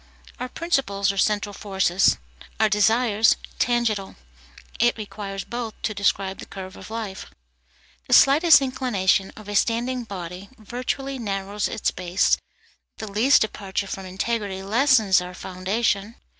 Our principles are central forces, our desires tangential; it requires both to describe the curve of life. The slightest inclination of a standing body virtually narrows its base; the least departure from integrity lessens our foundation.